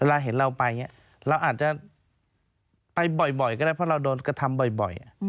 เราเห็นเราไปเราอาจจะไปบ่อยก็ได้เพราะเราโดนกระทำบ่อย